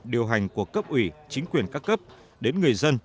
điều hành của cấp ủy chính quyền các cấp đến người dân